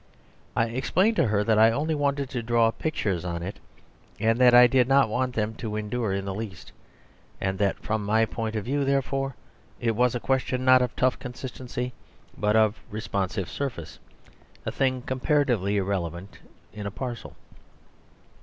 I explained to her that I only wanted to draw pictures on it, and that I did not want them to endure in the least; and that from my point of view, therefore, it was a question, not of tough consistency, but of responsive surface, a thing comparatively irrelevant in a parcel.